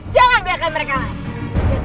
jangan biarkan mereka lari